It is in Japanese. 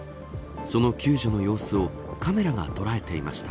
その救助の様子をカメラが捉えていました。